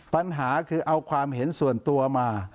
ปัญหาคือเอาความเห็นส่วนตัวมา